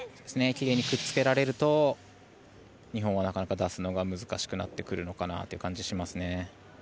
奇麗にくっつけられると日本はなかなか出すのが難しくなってくる感じがします。